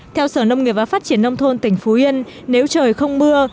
theo sở nông nghiệp và phát triển nông thôn tỉnh phú yên nếu trời không mưa